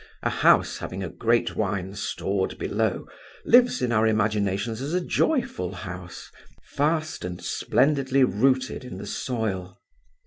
A house having a great wine stored below lives in our imaginations as a joyful house, fast and splendidly rooted in the soil.